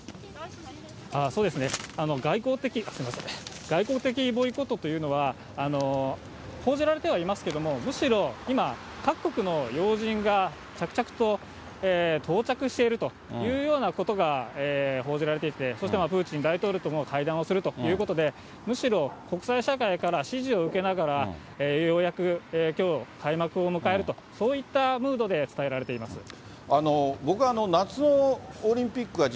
そうですね、外交的、すみません、外交的ボイコットというのは、報じられてはいますけれども、むしろ、今、各国の要人が着々と到着しているというようなことが報じられていて、そしてプーチン大統領とも会談をするということで、むしろ国際社会から支持を受けながらようやくきょう、開幕を迎えると、そういったムードで伝えられています。